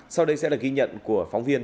sau đây sẽ là ghi nhận của phóng viên